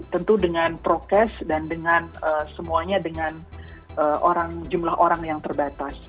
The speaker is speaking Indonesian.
tentu dengan prokes dan dengan semuanya dengan jumlah orang yang terbatas